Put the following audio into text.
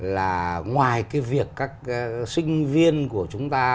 là ngoài cái việc các sinh viên của chúng ta